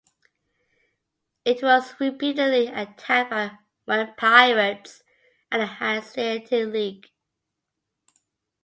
It was repeatedly attacked by Wend pirates and the Hanseatic League.